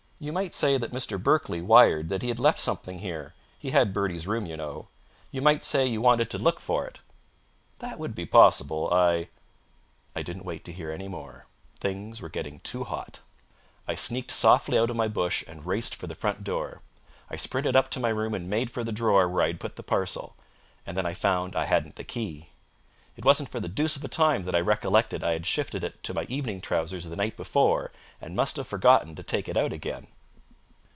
You might say that Mr. Berkeley wired that he had left something here. He had Bertie's room, you know. You might say you wanted to look for it." "That would be possible. I " I didn't wait to hear any more. Things were getting too hot. I sneaked softly out of my bush and raced for the front door. I sprinted up to my room and made for the drawer where I had put the parcel. And then I found I hadn't the key. It wasn't for the deuce of a time that I recollected I had shifted it to my evening trousers the night before and must have forgotten to take it out again.